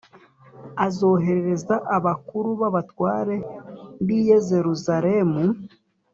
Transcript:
Azoherereza abakuru b abatware b i yezeruzaremu